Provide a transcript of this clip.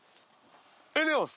エネオス！